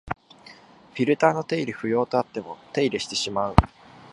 フィルターの手入れ不要とあっても手入れしてしまう